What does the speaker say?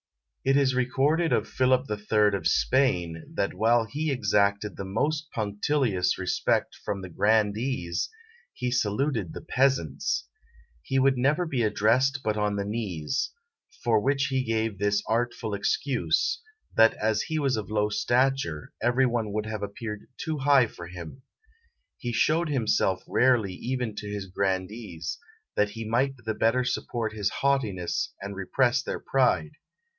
_ It is recorded of Philip the Third of Spain, that while he exacted the most punctilious respect from the grandees, he saluted the peasants. He would never be addressed but on the knees; for which he gave this artful excuse, that as he was of low stature, every one would have appeared too high for him. He showed himself rarely even to his grandees, that he might the better support his haughtiness and repress their pride.